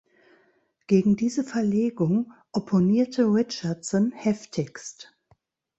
Gegen diese Verlegung opponierte Richardson heftigst.